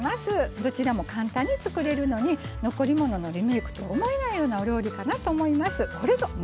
どちらも簡単に作れるのに残り物のリメークとは思えないようなお料理かなと思います。